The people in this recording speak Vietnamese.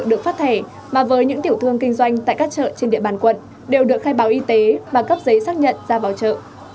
được phát thẻ mà với những tiểu thương kinh doanh tại các chợ trên địa bàn quận đều được khai báo y tế và cấp giấy xác nhận ra vào chợ